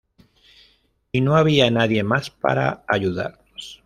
Y no había nadie más para ayudarnos".